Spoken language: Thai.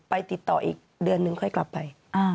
ไปติดต่ออีกเดือนนึงค่อยกลับไป